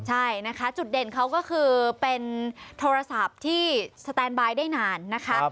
จุดเด่นเขาก็คือเป็นโทรศัพท์ที่สแตนไบได้นานนะคะ